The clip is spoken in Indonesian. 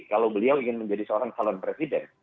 kalau beliau ingin menjadi seorang calon presiden